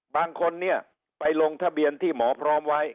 บางคนเนี่ยไปลงทะเบียนที่หมอพร้อมไว้